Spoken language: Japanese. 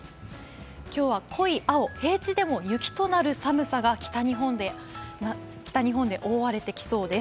今日は濃い青、平地でも雪となる寒さが北日本で覆われてきそうです。